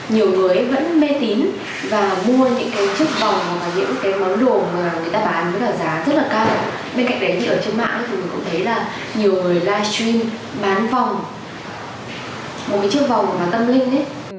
nhiều người livestream bán vòng một cái chiếc vòng mà tâm linh hết